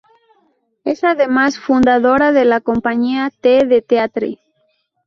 Es además, fundadora de la compañía T de Teatre.